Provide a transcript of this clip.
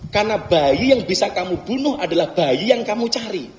karena bayi yang bisa kamu bunuh adalah bayi yang kamu cari